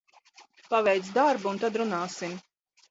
Paveic darbu un tad runāsim!